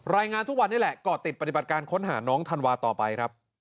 รายงานทุกวันนี้แหละก่อติดปฏิบัติการค้นหาน้องธันวาต่อไปครับ